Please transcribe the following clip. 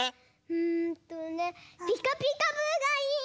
うんとね「ピカピカブ！」がいい！